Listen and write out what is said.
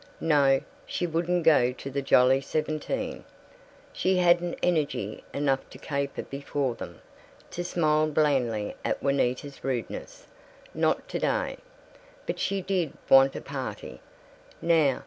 No. She wouldn't go to the Jolly Seventeen. She hadn't energy enough to caper before them, to smile blandly at Juanita's rudeness. Not today. But she did want a party. Now!